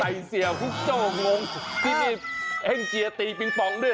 ใส่เสียฟุกโจ้งงที่มีเฮงเจียตีปิงปองด้วยเหรอ